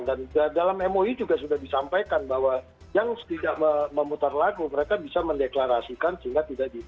dan dalam mou juga sudah disampaikan bahwa yang tidak memutar lagu mereka bisa mendeklarasikan sehingga tidak disimul